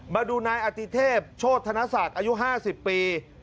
มาดูนายอติเทพย์ชะวดธรรมศาสตร์อายุ๕๐ปี